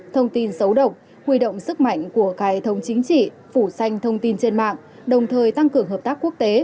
thông tin xấu độc huy động sức mạnh của cài thống chính trị phủ xanh thông tin trên mạng đồng thời tăng cường hợp tác quốc tế